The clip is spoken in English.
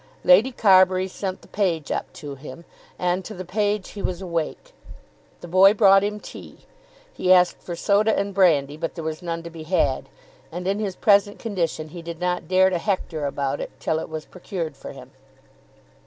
Lady Carbury sent the page up to him, and to the page he was awake. The boy brought him tea. He asked for soda and brandy; but there was none to be had, and in his present condition he did not dare to hector about it till it was procured for him.